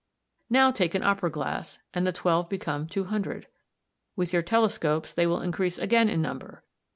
Now take an opera glass and the twelve become two hundred. With your telescopes they will increase again in number.